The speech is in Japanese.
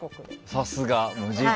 さすが。